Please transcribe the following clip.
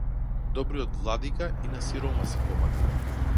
Добриот владика и на сиромаси помага.